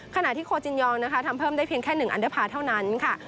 ขณะที่โคจินยองนะคะทำเพิ่มได้เพียงแค่๑อันเดอร์พาร์เท่านั้นค่ะ